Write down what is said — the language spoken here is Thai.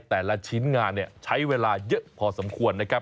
แต่ละชิ้นงานใช้เวลาเยอะพอสมควรนะครับ